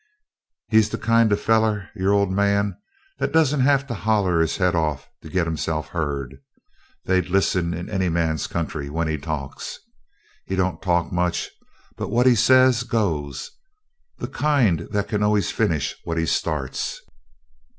"He's the kind of a feller your Old Man that don't have to holler his head off to git himself heard. They'd listen in any man's country when he talks. He don't talk much, but what he says goes the kind that can always finish what he starts.